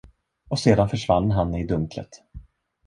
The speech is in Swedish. Och sedan försvann han i dunklet.